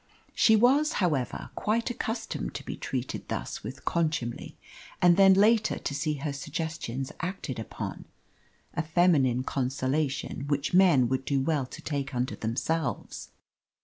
She was, however, quite accustomed to be treated thus with contumely, and then later to see her suggestions acted upon a feminine consolation which men would do well to take unto themselves.